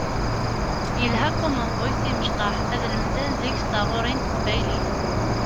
Yelha Common Voice i imecṭaḥ ad lemden deg-s taɣuri n teqbaylit.